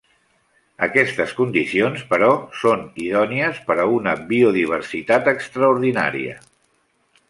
Aquestes condicions, però, són idònies per a una biodiversitat extraordinària.